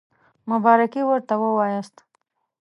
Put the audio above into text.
مبارکي ورته ووایاست.